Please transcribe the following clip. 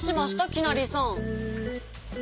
きなりさん。